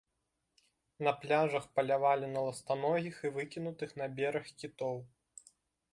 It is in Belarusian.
На пляжах палявалі на ластаногіх і выкінутых на бераг кітоў.